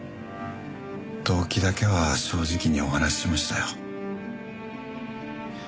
動機だけは正直にお話ししましたよ。